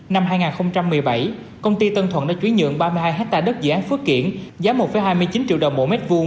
năm hai nghìn một mươi bảy công ty tân thuận đã chuyển nhượng ba mươi hai hectare đất dự án phước kiển giá một hai mươi chín triệu đồng mỗi mét vuô